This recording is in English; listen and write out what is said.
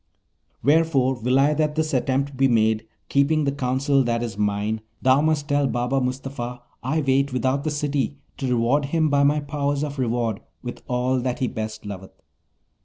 Wherefore, will I that this attempt be made, keeping the counsel that is mine. Thou must tell Baba Mustapha I wait without the city to reward him by my powers of reward with all that he best loveth.